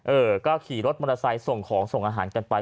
เออก็ขี่รถมอเตอร์ไซค์ส่งของส่งอาหารกันไป